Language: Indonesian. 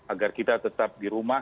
agar kita tetap di rumah